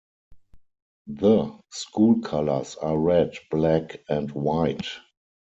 The school colors are red, black, and white.